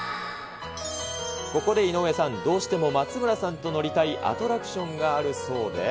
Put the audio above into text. ここで井上さん、どうしても松村さんと乗りたいアトラクションがあるそうで。